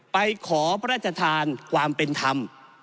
ไปขอพระราชทานความเป็นธรรม